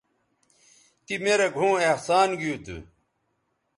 تی می رے گھؤں احسان گیو تھو